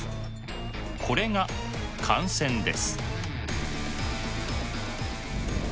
これが感染です。